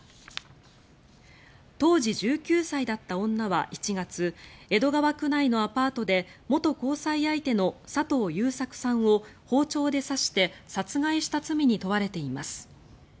当時１９歳だった女は１月江戸川区内のアパートで元交際相手の佐藤優作さんを包丁で刺して殺害した罪に問われています。